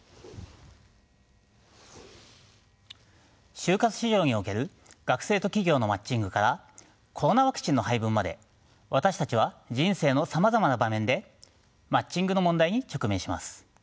就活市場における学生と企業のマッチングからコロナワクチンの配分まで私たちは人生のさまざまな場面でマッチングの問題に直面します。